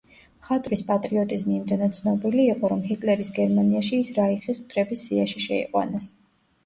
მხატვრის პატრიოტიზმი იმდენად ცნობილი იყო, რომ ჰიტლერის გერმანიაში ის რაიხის მტრების სიაში შეიყვანეს.